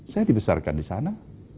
saya dibesarkan di sana